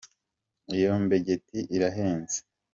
Iyo mbegeti irahenze.